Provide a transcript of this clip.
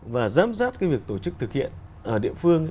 và giám sát cái việc tổ chức thực hiện ở địa phương